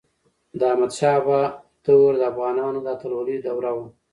د احمد شاه بابا دور د افغانانو د اتلولی دوره وه.